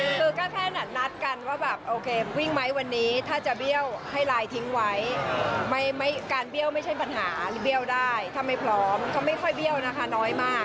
คือก็แค่นัดกันว่าแบบโอเควิ่งไหมวันนี้ถ้าจะเบี้ยวให้ไลน์ทิ้งไว้ไม่การเบี้ยวไม่ใช่ปัญหาเบี้ยวได้ถ้าไม่พร้อมก็ไม่ค่อยเบี้ยวนะคะน้อยมาก